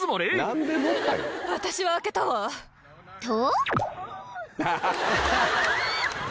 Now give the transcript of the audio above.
［と］